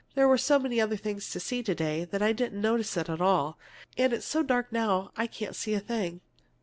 "There were so many other things to see to day that I didn't notice it at all. And it's so dark now I can't see a thing."